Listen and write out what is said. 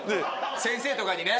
先生とかにね。